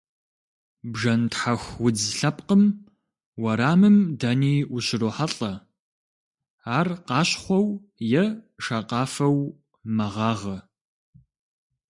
Бжэнтхьэху удз лъэпкъым уэрамым дэни ущрохьэлӏэ, ар къащхъуэу е шакъафэу мэгъагъэ.